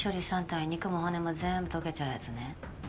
３体肉も骨も全部溶けちゃうやつね。